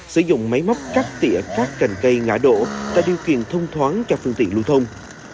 sử dụng máy móc cắt tỉa các cành cây ngã đổ tạo điều kiện thông thoáng cho phương tiện lưu thông